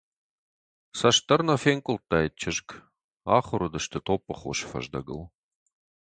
Цӕст дӕр нӕ фӕныкъуылдтаид чызг: ахуыр уыдысты топпыхосы фӕздӕгыл.